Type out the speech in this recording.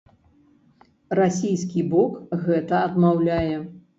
Расійскі бок гэта адмаўляе.